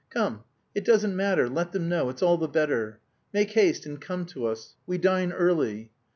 Come, it doesn't matter, let them know; it's all the better. Make haste and come to us, we dine early....